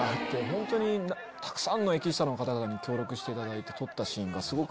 ホントにたくさんのエキストラの方々に協力していただいて撮ったシーンがすごく。